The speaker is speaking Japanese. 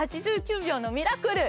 「８９秒のミラクル」